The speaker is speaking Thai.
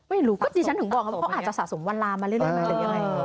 ไม่รู้ก็จริงถึงบอกพอผู้น้องมันอาจจะสะสมวันลามาเรื่อยแล้วยังไหม